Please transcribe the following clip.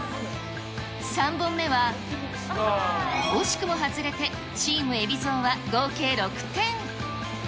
３本目は惜しくも外れて、チーム海老蔵は合計６点。